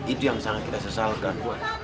itu yang sangat kita sesalkan